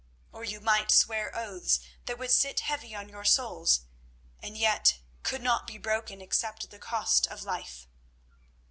Or you might swear oaths that would sit heavy on your souls, and yet could not be broken except at the cost of life."